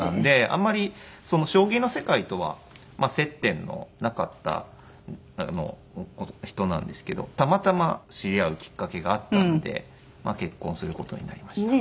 あんまり将棋の世界とは接点のなかった人なんですけどたまたま知り合うきっかけがあったので結婚する事になりました。